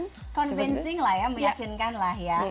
convencing lah ya meyakinkan lah ya